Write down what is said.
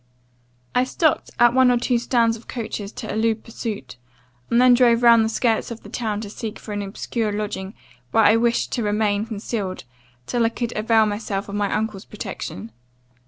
"I stopped at one or two stands of coaches to elude pursuit, and then drove round the skirts of the town to seek for an obscure lodging, where I wished to remain concealed, till I could avail myself of my uncle's protection.